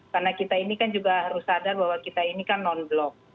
karena kita ini kan juga harus sadar bahwa kita ini kan non blok